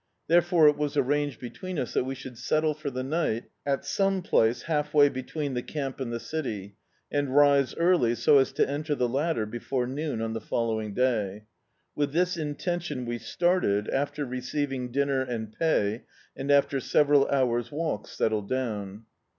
Therefore it was arranged between us that we should settle for the ni^t at some place half way between the camp and the city, and rise early so as to enter the latter before noon on the following day. With this intention we started, after receiving dinner and pay, and after several hours' walk settled down.